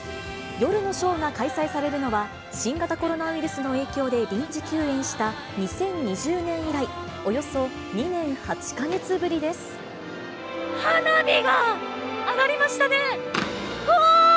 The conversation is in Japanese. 夜のショーが開催されるのは、新型コロナウイルスの影響で臨時休園した２０２０年以来、およそ花火が上がりましたね。